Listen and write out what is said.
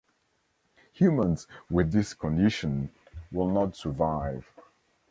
Humans with this condition will not survive.